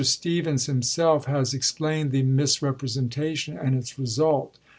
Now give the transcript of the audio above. Stephens himself has explained the misrepre sentation and its result.